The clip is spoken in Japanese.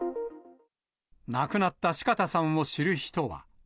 亡くなった四方さんを知る人は。